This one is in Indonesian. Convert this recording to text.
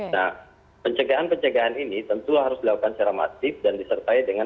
nah pencegahan pencegahan ini tentu harus dilakukan secara masif dan disertai dengan